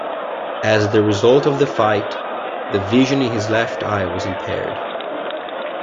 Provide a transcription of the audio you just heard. As the result of the fight, the vision in his left eye was impaired.